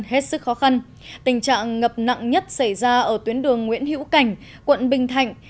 hết sức khó khăn tình trạng ngập nặng nhất xảy ra ở tuyến đường nguyễn hữu cảnh quận bình thạnh